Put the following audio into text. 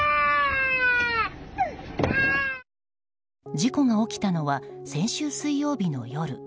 事故が起きたのは先週水曜日の夜。